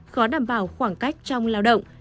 khó đảm bảo khoảng cách trong lao động